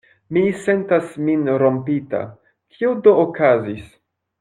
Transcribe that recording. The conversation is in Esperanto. Mi sentas min rompita: kio do okazis?